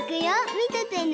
みててね。